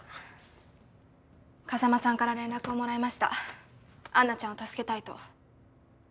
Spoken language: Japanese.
風真さんから連絡をもらいましたアンナちゃんを助けたいと。